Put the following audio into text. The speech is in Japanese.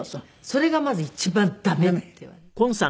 それがまず一番駄目って言われて。